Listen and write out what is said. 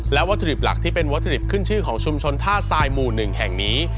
และวัตถุดิบหลักที่เป็นวัตถุดิบขึ้นชื่อของชุมชนท่าทรายหมู่๑แห่งนี้